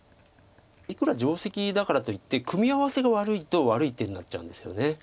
いくら定石だからといって組み合わせが悪いと悪い手になっちゃうんですよね。